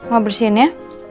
mau bersihin ya